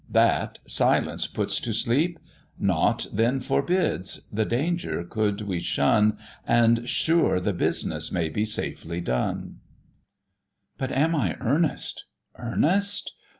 that silence puts to sleep: Nought then forbids, the danger could we shun, And sure the business may be safely done. "But am I earnest? earnest?